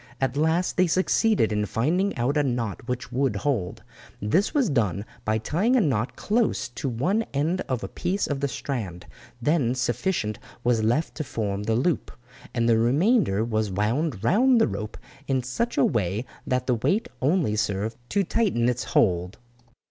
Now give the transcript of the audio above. At last they succeeded in finding out a knot which would hold. This was done by tying a knot close to one end of a piece of the strand, then sufficient was left to form the loop, and the remainder was wound round the rope in such a way that the weight only served to tighten its hold.